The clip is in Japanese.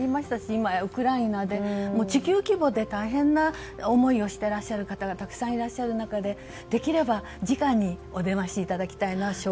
今やウクライナで地球規模で大変な思いをしていらっしゃる方がたくさんいらっしゃる中でできれば直にお出ましいただきたいですね。